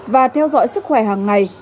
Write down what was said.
và theo dõi sức khỏe hàng ngày